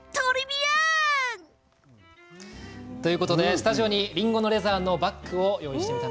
スタジオにりんごのレザーのバッグを用意しました。